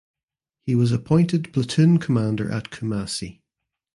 He was appointed Platoon Commander at Kumasi.